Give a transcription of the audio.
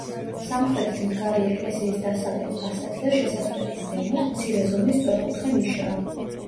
სამხრეთით მდგარი ეკლესიის დასავლეთ ფასადზე, შესასვლელის ზემოთ, მცირე ზომის სწორკუთხა ნიშაა.